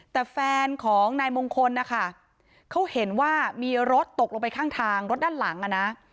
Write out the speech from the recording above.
แต่แฟนของนายมงคลนะคะเขาเห็นว่ามีรถตกลงไปข้างทางรถด้านหลังอ่ะนะ